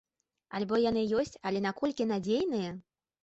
Альбо яны ёсць, але наколькі надзейныя?